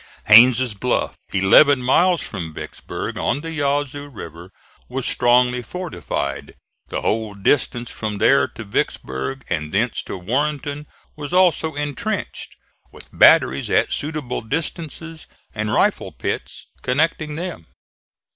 Haines' Bluff, eleven miles from Vicksburg, on the Yazoo River, was strongly fortified. The whole distance from there to Vicksburg and thence to Warrenton was also intrenched, with batteries at suitable distances and rifle pits connecting them.